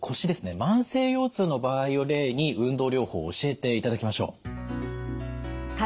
慢性腰痛の場合を例に運動療法を教えていただきましょう。